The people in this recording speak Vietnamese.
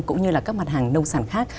cũng như là các mặt hàng nông sản khác